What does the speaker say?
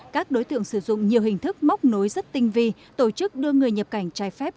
các đối tượng sử dụng nhiều hình thức móc nối rất tinh vi tổ chức đưa người nhập cảnh trái phép